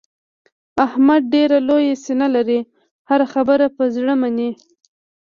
احمد ډېره لویه سینه لري. هره خبره په زړه مني.